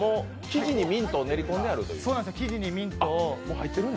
生地にミントを練り込んであります。